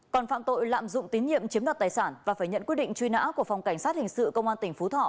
còn phạm tội lạm dụng tín nhiệm chiếm đoạt tài sản và phải nhận quyết định truy nã của phòng cảnh sát hình sự công an tỉnh phú thọ